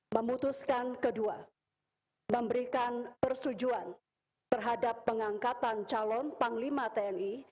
memutuskan kedua memberikan persetujuan terhadap pengangkatan calon panglima tni